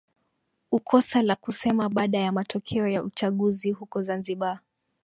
ukosa la kusema baada ya matokeo ya uchaguzi huko zanzibar